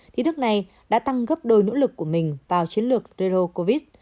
thì đức này đã tăng gấp đôi nỗ lực của mình vào chiến lược rero covid